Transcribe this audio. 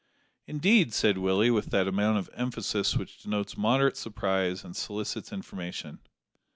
"Indeed," said Willie, with that amount of emphasis which denotes moderate surprise and solicits information.